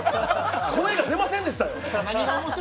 声が出ませんでしたよ。